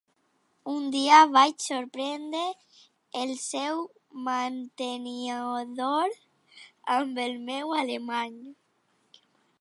Un dia vaig sorprendre el seu mantenidor amb el meu alemany.